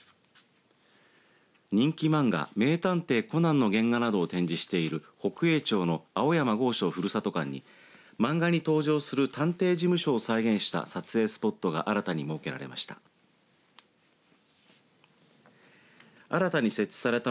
人気漫画、名探偵コナンの原画などを展示している北栄町の青山剛昌ふるさと館に漫画に登場する探偵事務所を再現した撮影スポットが新たに設けられました。